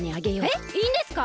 えっいいんですか！？